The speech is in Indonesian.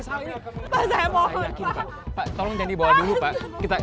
saya yakin pak tolong jangan dibawa dulu pak